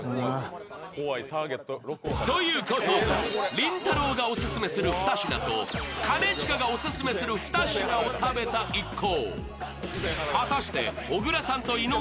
りんたろーがオススメする２品と兼近がオススメする２品を食べた一行。